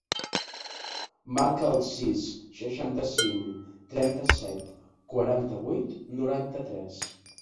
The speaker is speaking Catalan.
Marca el sis, seixanta-cinc, trenta-set, quaranta-vuit, noranta-tres.